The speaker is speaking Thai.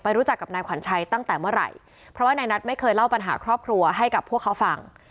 รู้จักกับนายขวัญชัยตั้งแต่เมื่อไหร่เพราะว่านายนัทไม่เคยเล่าปัญหาครอบครัวให้กับพวกเขาฟัง